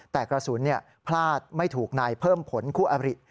แต่กระสุนพลาดไม่ถูกนายเพิ่มผลคู่อบริ